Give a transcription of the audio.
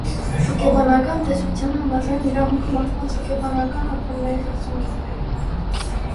Հոգեբանական տեսության համաձայն, իրավունքը մարդկանց հոգեբանական ապրումների արդյունք է։